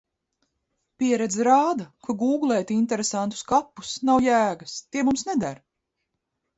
Pieredze rāda, ka gūglēt interesantus kapus nav jēgas. Tie mums neder.